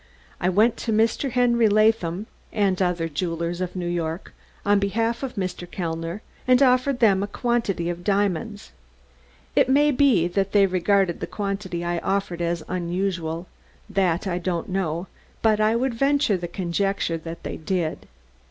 I went to Mr. Henry Latham, and other jewelers of New York, on behalf of Mr. Kellner, and offered them a quantity of diamonds. It may be that they regarded the quantity I offered as unusual; that I don't know, but I would venture the conjecture that they did."